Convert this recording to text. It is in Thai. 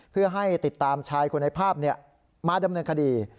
เพื่อให้ติดตามชายคนในภาพมาดำเนินคดี